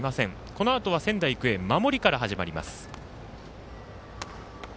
このあとは仙台育英守りから始まります。